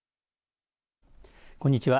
こんにちは。